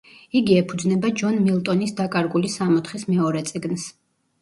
იგი ეფუძნება ჯონ მილტონის „დაკარგული სამოთხის“ მეორე წიგნს.